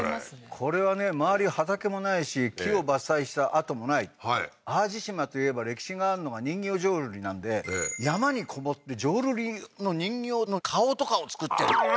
これはね周り畑もないし木を伐採した跡もないはい淡路島といえば歴史があるのが人形浄瑠璃なんで山に籠もって浄瑠璃の人形の顔とかを作ってるああー